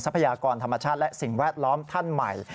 พยากรธรรมชาติและสิ่งแวดล้อมท่านใหม่